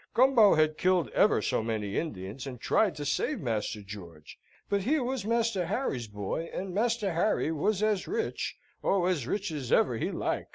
Gumbo had killed ever so many Indians, and tried to save Master George, but he was Master Harry's boy, and Master Harry was as rich, oh, as rich as ever he like.